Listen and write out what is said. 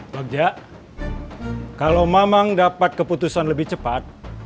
bagja kalau mamang dapat keputusan lebih cepat